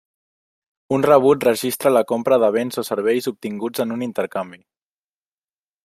Un rebut registra la compra de béns o serveis obtinguts en un intercanvi.